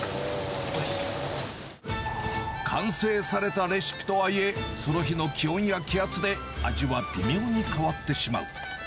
完成されたレシピとはいえ、その日の気温や気圧で味は微妙に変わってしまう。